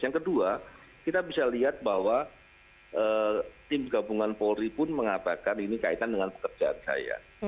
yang kedua kita bisa lihat bahwa tim gabungan polri pun mengatakan ini kaitan dengan pekerjaan saya